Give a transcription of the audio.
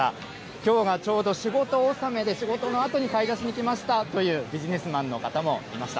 きょうがちょうど仕事納めで、仕事のあとに買い出しに来ましたというビジネスマンの方もいました。